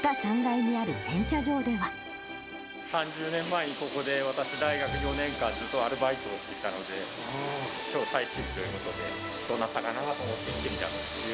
３０年前にここで私、大学４年間、ずっとアルバイトをしていたので、きょう、最終日ということで、どうなったかなと思って来てみたという、